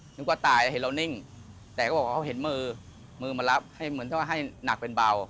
เวลาตายเห็นเรานิ่งแต่ก็บอกเขาเห็นมือมือมารับเท่าว่าให้หนักเป็นเบา